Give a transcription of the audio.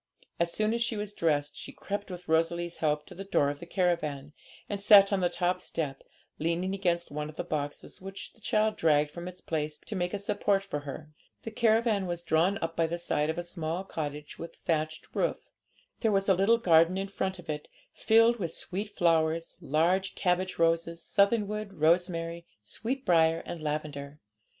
As soon as she was dressed, she crept, with Rosalie's help, to the door of the caravan, and sat on the top step, leaning against one of the boxes, which the child dragged from its place to make a support for her. The caravan was drawn up by the side of a small cottage with a thatched roof. There was a little garden in front of it, filled with sweet flowers, large cabbage roses, southernwood, rosemary, sweetbriar, and lavender.